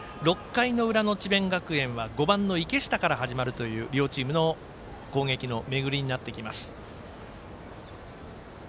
６回の裏の智弁学園は５番の池下から始まる両チームの攻撃の巡りになってきます。